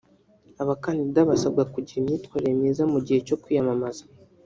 Abakandida basabwa kugira imyitwarire myiza mu gihe cyo kwiyamamaza